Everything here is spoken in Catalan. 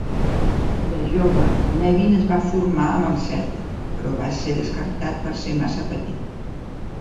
De jove, Nevin es va formar amb el Celtic, però va ser descartat per ser massa petit.